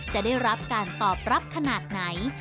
จะได้รับการตอบรับขนาดไหน